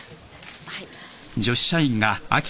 はい。